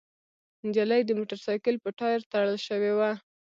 نجلۍ د موټرسايکل په ټاير تړل شوې وه.